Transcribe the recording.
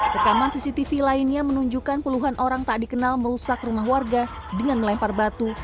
rekaman cctv lainnya menunjukkan puluhan orang tak dikenal merusak rumah warga dengan melempar batu